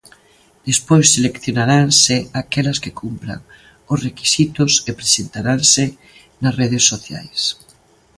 Despois seleccionaranse aquelas que cumpran os requisitos e presentaranse nas redes sociais.